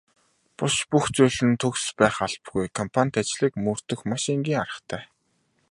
Буш бүх зүйл нь төгс байх албагүй компанит ажлыг мөрдөх маш энгийн аргатай.